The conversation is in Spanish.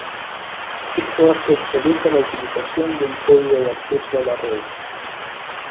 Esto hace obsoleta la utilización de un código de acceso a la red.